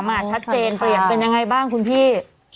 มาชัดเจนเป็นยังไงบ้างคุณพี่